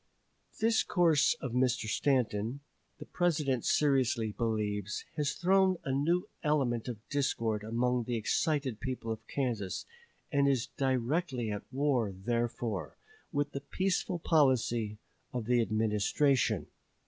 This course of Mr. Stanton, the President seriously believes, has thrown a new element of discord among the excited people of Kansas, and is directly at war, therefore, with the peaceful policy of the Administration.